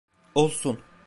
Olsun.